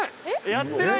やってない。